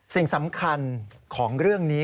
สิ่งสำคัญของเรื่องนี้